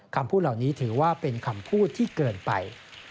คำพูดเหล่านี้ถือว่าเป็นคำพูดที่เกินไป